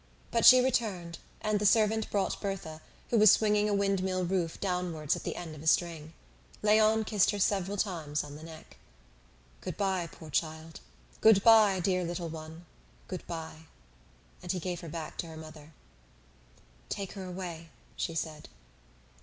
But she returned, and the servant brought Berthe, who was swinging a windmill roof downwards at the end of a string. Léon kissed her several times on the neck. "Good bye, poor child! good bye, dear little one! good bye!" And he gave her back to her mother. "Take her away," she said.